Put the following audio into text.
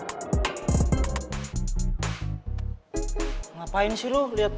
jadi sekarang gak ada penghalang lagi di hubungan gue sama boy